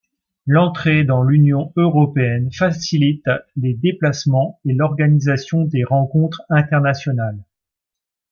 L'entrée dans l'Union européenne facilite les déplacements et l'organisation des rencontres internationales.